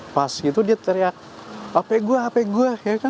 pas itu dia teriak hp gua hp gua